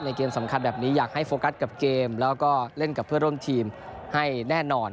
เกมสำคัญแบบนี้อยากให้โฟกัสกับเกมแล้วก็เล่นกับเพื่อนร่วมทีมให้แน่นอน